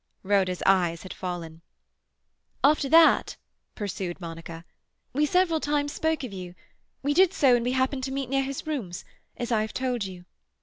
Rhoda's eyes had fallen. "After that," pursued Monica, "we several times spoke of you. We did so when we happened to meet near his rooms—as I have told you.